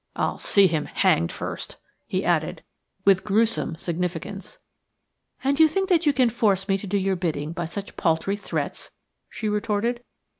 I'll see him hanged first," he added, with gruesome significance. "And you think that you can force me to do your bidding by such paltry threats?" she retorted.